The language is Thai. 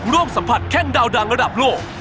สัมผัสแข้งดาวดังระดับโลก